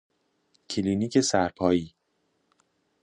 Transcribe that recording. کلینیک سرپائی